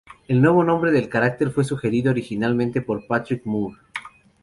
El nuevo nombre del cráter fue sugerido originalmente por Patrick Moore.